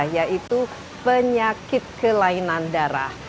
yaitu penyakit kelainan darah